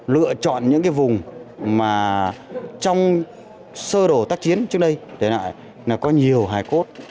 lựa chọn những cái vùng mà trong sơ đồ tác chiến trước đây để lại là có nhiều hài cốt